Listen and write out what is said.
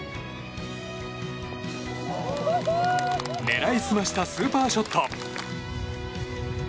狙いすましたスーパーショット。